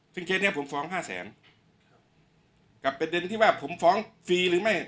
ซึ่งเคสเนี้ยผมฟ้องห้าแสนกับประเด็นที่ว่าผมฟ้องฟรีหรือไม่